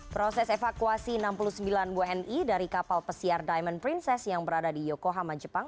proses evakuasi enam puluh sembilan wni dari kapal pesiar diamond princess yang berada di yokohama jepang